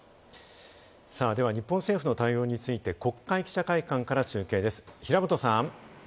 では日本政府の対応について国会記者会館から中継です、平本さん。